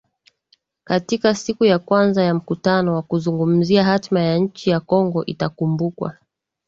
katika siku ya kwanza ya mkutano wa kuzungumzia hatma ya nchi ya Kongo itakumbukwa